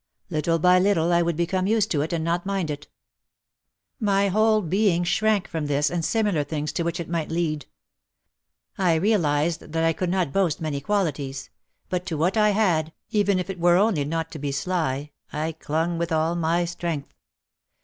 Little by little I would become used to it and not mind it. My whole being shrank from this and similar things to which it might lead. I realised that I could not boast many qualities. But to what I had, even if it were only not to be sly, I clung with all my strength.